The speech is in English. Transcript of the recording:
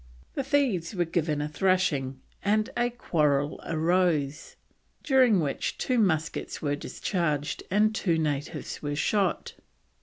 The thieves were given a thrashing, and a quarrel arose, during which two muskets were discharged and two natives were shot.